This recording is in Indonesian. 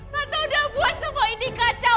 tante udah buat semua ini kacau